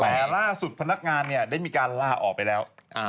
แปลล่าสุดพนักงานได้มีการล่าออกไปแล้ว